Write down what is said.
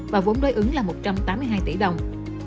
vốn đối ứng một trăm tám mươi hai tỷ đồng